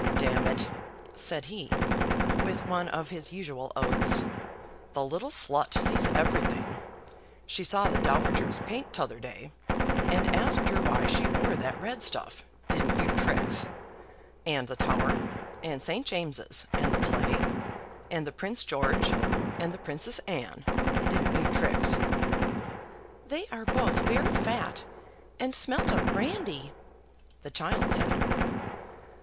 "D it!" said he, with one of his usual oaths, "the little slut sees everything. She saw the Dowager's paint t'other day, and asked her why she wore that red stuff didn't you, Trix? and the Tower; and St. James's; and the play; and the Prince George, and the Princess Anne didn't you, Trix?" "They are both very fat, and smelt of brandy," the child said.